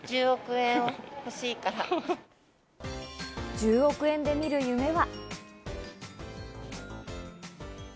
１０億円で見る夢は。